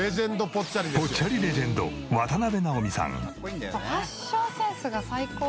ぽっちゃりレジェンド渡辺直美さん。